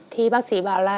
thì bác sĩ bảo là